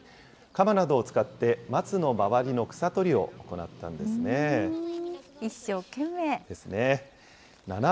鎌などを使って、松の周りの草取りを行ったんですね。ですね。